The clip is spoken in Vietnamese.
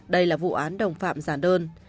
đây là vụ án đồng phạm giản đơn